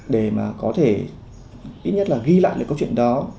để mà có thể ít nhất là ghi lại được câu chuyện đó